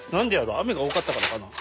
雨が多かったからかな。